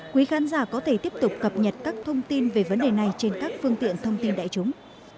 quý khán giả có thể tiếp tục cập nhật các thông tin về vấn đề này trên các phương tiện thông tin đại chúng